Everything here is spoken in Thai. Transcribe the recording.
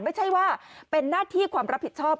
ไม่ใช่ว่าเป็นหน้าที่ความรับผิดชอบ